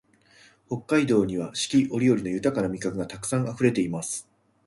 北海道には四季折々の豊な味覚がたくさんあふれています